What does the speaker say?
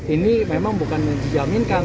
ini memang bukan menjaminkan